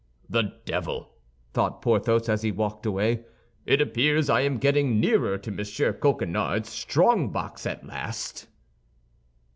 "The devil!" thought Porthos, as he walked away, "it appears I am getting nearer to Monsieur Coquenard's strongbox at last."